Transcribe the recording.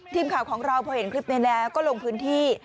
ทีมข่าวของเราพอเห็นคลิปนี้แล้วก็ลงพื้นที่